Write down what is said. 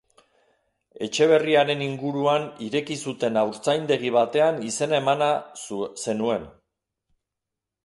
Etxe berriaren inguruan ireki zuten haurtzaindegi batean izena emana zenuen.